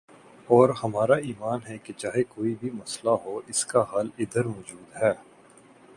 اور ہمارا ایمان ہے کہ چاہے کوئی بھی مسئلہ ہو اسکا حل ادھر موجود ہے